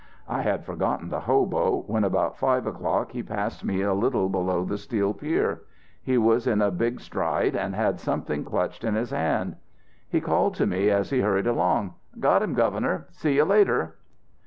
"I had forgotten the hobo, when about five o'clock he passed me a little below the Steel Pier. He was in a big stride and he had something clutched in his hand. "He called to me as he hurried along: 'I got him, Governor.... See you later!'